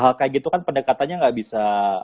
hal kayak gitu kan pendekatannya nggak bisa